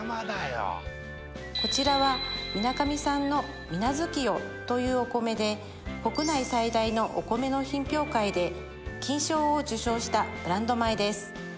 こちらはみなかみ産の水月夜というお米で国内最大のお米の品評会で金賞を受賞したブランド米です